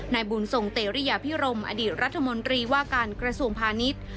นายบุญทรงเตรียพิรมอดีตรัฐมนตรีว่าการกระทรวงพาณิชย์